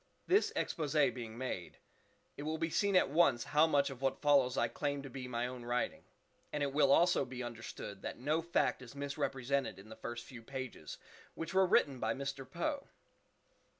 This _exposé_being made, it will be seen at once how much of what follows I claim to be my own writing; and it will also be understood that no fact is misrepresented in the first few pages which were written by Mr. Poe.